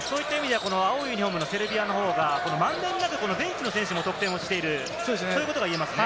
青いユニホーム、セルビアのほうが満遍なくベンチの選手も得点しているということが言えますね。